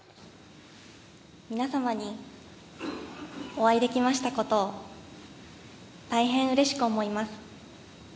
皆様にお会いできましたことを大変うれしく思います。